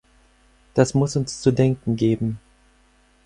Das muss uns zu denken geben.